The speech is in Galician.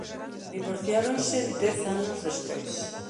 Divorciáronse dez anos despois.